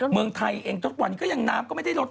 เมืองไทยเองทุกวันนี้ก็ยังน้ำก็ไม่ได้ลด